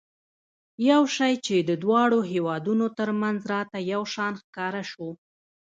یو شی چې د دواړو هېوادونو ترمنځ راته یو شان ښکاره شو.